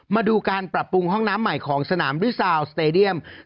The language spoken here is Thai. มาดูการปรับปรุงห้องน้ำใหม่ของสนามริซาวสเตดียม